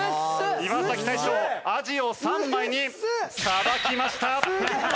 岩大昇アジを３枚にさばきました。